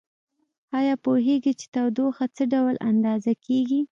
ایا پوهیږئ چې تودوخه څه ډول اندازه کیږي؟